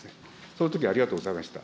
そのときはありがとうございました。